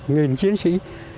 nghìn chiến sĩ